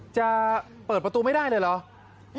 จะเปิดประตูไม่ได้เลยเหรอ